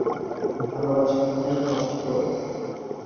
ভালোবাসা মানেই কষ্ট।